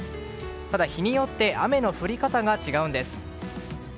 ただ、日によって雨の降り方が違うんです。